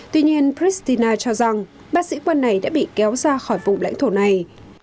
tuy nhiên pristina cho rằng ba sĩ quan này đã bị kéo ra khỏi vùng lãnh thổ này